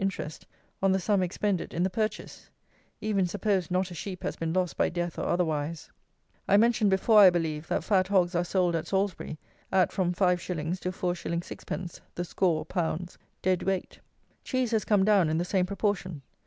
interest on the sum expended in the purchase; even suppose not a sheep has been lost by death or otherwise. I mentioned before, I believe, that fat hogs are sold at Salisbury at from 5_s._ to 4_s._ 6_d._ the score pounds, dead weight. Cheese has come down in the same proportion.